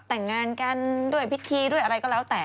แต่งงานกันด้วยพิธีด้วยอะไรก็แล้วแต่